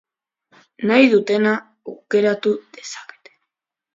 Nahi dutena aukeratu dezakete.